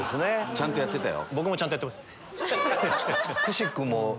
ちゃんとやってたよ。